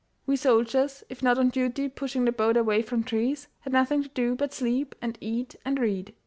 We soldiers, if not on duty pushing the boat away from trees, had nothing to do but sleep and eat and read.